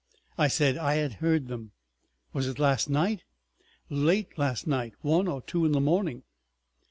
I said I had heard them. "Was it last night?" "Late last night. One or two in the morning."